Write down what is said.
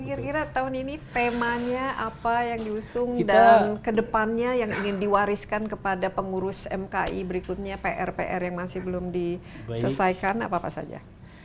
kira kira tahun ini temanya apa yang diusung dan kedepannya yang ingin diwariskan kepada pengurus mki berikutnya pr pr yang masih belum diselesaikan apa apa saja